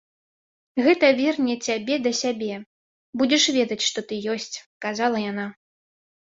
Гэта верне цябе да сябе, будзеш ведаць, што ты ёсць, казала яна.